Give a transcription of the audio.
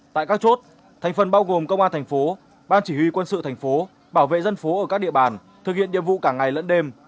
tại các chốt thành phần bao gồm công an thành phố ban chỉ huy quân sự thành phố bảo vệ dân phố ở các địa bàn thực hiện nhiệm vụ cả ngày lẫn đêm